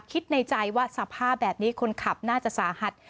คิดในใจว่าสภาพแบบนี้คนขับน่าจะสาหัส